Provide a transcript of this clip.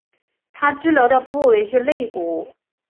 她治疗的部位是肋骨。